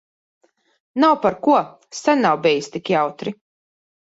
Nav par ko. Sen nav bijis tik jautri.